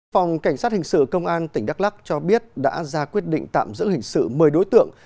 phòng cảnh sát hình sự công an tỉnh đắk lắc cho biết đã ra quyết định tạm giữ hình sự một mươi đối tượng